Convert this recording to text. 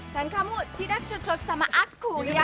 dan kamu tidak cocok sama aku ya